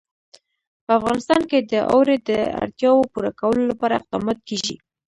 په افغانستان کې د اوړي د اړتیاوو پوره کولو لپاره اقدامات کېږي.